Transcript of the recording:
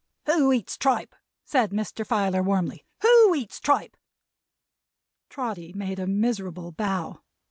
"Who eats tripe?" said Mr. Filer, warmly. "Who eats tripe?" Trotty made a miserable bow.